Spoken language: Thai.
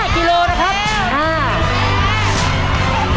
กิโลนะครับ